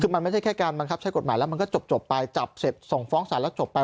คือมันไม่ใช่แค่การบังคับใช้กฎหมายแล้วมันก็จบไปจับเสร็จส่งฟ้องสารแล้วจบไป